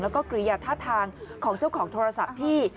แล้วก็กริยาท่าทางของเจ้าของโทรศัพท์ที่